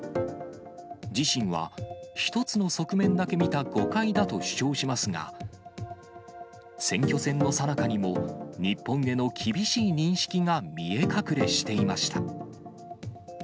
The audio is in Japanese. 自身は一つの側面だけ見た誤解だと主張しますが、選挙戦のさなかにも、日本への厳しい認識が見え隠れしていました。